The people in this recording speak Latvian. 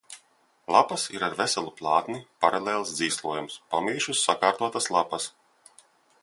Lapas ir ar veselu plātni, paralēls dzīslojums, pamīšus sakārtotas lapas.